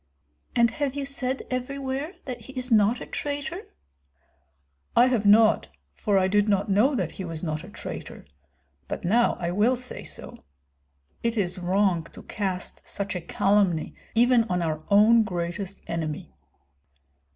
"And have you said everywhere that he is not a traitor?" "I have not, for I did not know that he was not a traitor; but now I will say so. It is wrong to cast such a calumny even on our own greatest enemy."